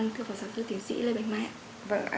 thưa phó giáo sư tiến sĩ lê bạch mai ạ